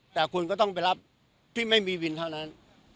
แต่คุณก็ต้องไปรับที่ไม่มีวินเท่านั้น